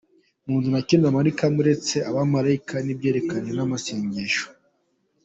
Mu nzu nta kindi amanikamo uretse amashusho y’abamalayika n’ibyerekaranye n’amasengesho.